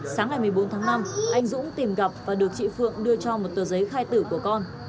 sáng ngày một mươi bốn tháng năm anh dũng tìm gặp và được chị phượng đưa cho một tờ giấy khai tử của con